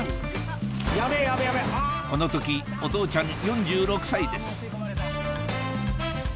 この時お父ちゃん４６歳です